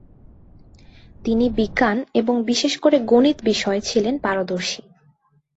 তিনি বিজ্ঞান এবং বিশেষ করে গণিত বিষয়ে ছিলেন পারদর্শী।